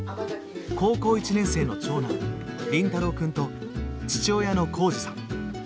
高校１年生の長男凛太郎くんと父親の絋二さん。